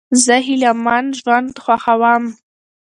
زه هیلهمن ژوند خوښوم.